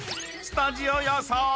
［スタジオ予想！